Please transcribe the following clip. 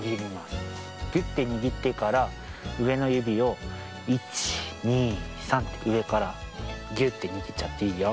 ぎゅってにぎってからうえのゆびを１２３ってうえからぎゅってにぎっちゃっていいよ。